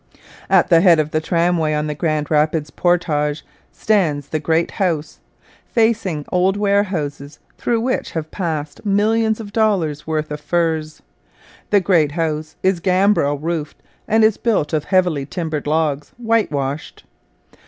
At the head of the tramway on the Grand Rapids portage stands the Great House, facing old warehouses through which have passed millions of dollars' worth of furs. The Great House is gambrel roofed and is built of heavily timbered logs whitewashed.